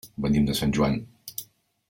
Venim de Sant Joan.